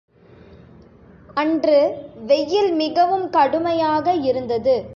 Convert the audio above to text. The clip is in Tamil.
அன்று வெய்யில் மிகவும் கடுமையாக இருந்தது.